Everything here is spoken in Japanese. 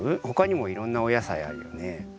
ほかにもいろんなおやさいあるよね。